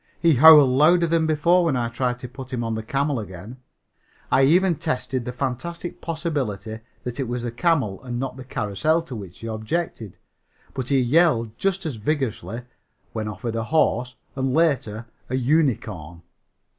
He howled louder than before when I tried to put him on the camel again. I even tested the fantastic possibility that it was the camel and not the carrousel to which he objected, but he yelled just as vigorously when offered a horse and later a unicorn.